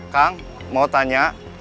kang mau tanya